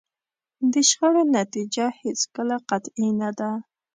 د شخړو نتیجه هېڅکله قطعي نه ده.